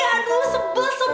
aduh sebel sebel sebel